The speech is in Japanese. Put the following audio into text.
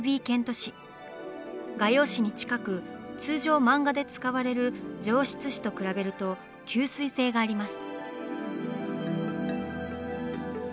画用紙に近く通常漫画で使われる「上質紙」と比べると吸水性があります。